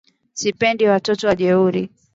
Sipendi watoto wajeuri